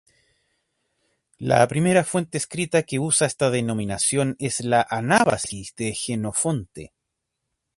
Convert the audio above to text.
La primera fuente escrita que usa esta denominación es la "Anábasis" de Jenofonte.